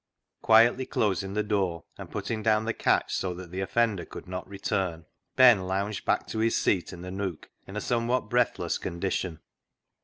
Quietly closing the door and putting down the catch, so that the offender could not return, Ben lounged back to his seat in the nook in a somewhat breathless condition.